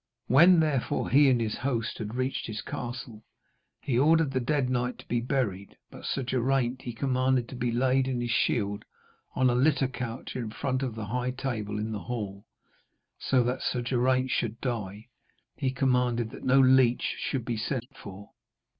When, therefore, he and his host had reached his castle, he ordered the dead knight to be buried, but Sir Geraint he commanded to be laid in his shield on a litter couch in front of the high table in the hall. So that Sir Geraint should die, he commanded that no leech should be sent for.